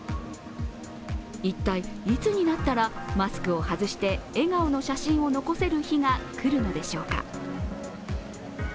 一体いつになったらマスクを外して、笑顔の写真を残せる日が来るのでしょうか。